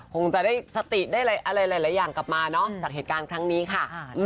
คงจะได้สติได้อะไรหลายอย่างกลับมาเนอะจากเหตุการณ์ครั้งนี้ค่ะ